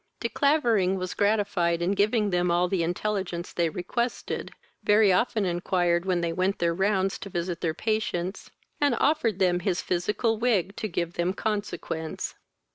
De Clavering was gratified in giving them all the intelligence they requested, very often inquired when they went their rounds to visit their patients, and offered them his physical wig to give them consequence.